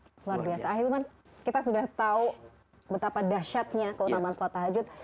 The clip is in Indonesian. akhirnya kita sudah tahu betapa dahsyatnya keutamaan salat tahajud